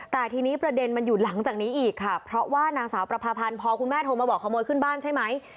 แต่ทีนี้ประเด็นมันอยู่หลังจากนี้อีกค่ะเพราะว่านางสาวประพาพันธ์พอคุณแม่โทรมาบอกขโมยขึ้นบ้านใช่ไหม